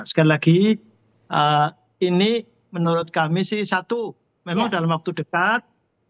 sekali lagi ini menurut kami sih satu memang dalam waktu dekat